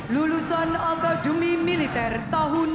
lulusan akademi militer tahun dua ribu